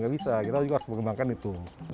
gak bisa kita juga harus pengembangkan itu